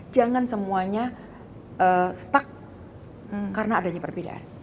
jangan semuanya stuck karena adanya perbedaan